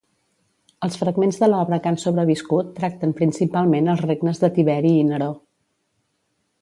Els fragments de l'obra que han sobreviscut tracten principalment els regnes de Tiberi i Neró.